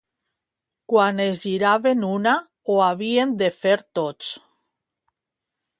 Quan es giraven una, ho havíem de fer tots.